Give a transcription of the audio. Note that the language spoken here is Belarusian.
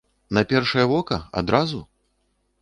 На першае вока, адразу?